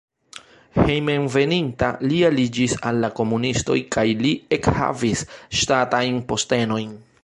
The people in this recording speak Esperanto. Hejmenveninta li aliĝis al la komunistoj kaj li ekhavis ŝtatajn postenojn.